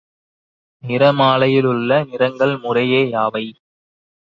நிறமாலையிலுள்ள நிறங்கள் முறையே யாவை?